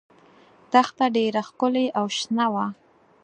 دښته ډېره ښکلې او شنه وه.